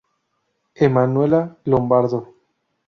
Emanuela Lombardo.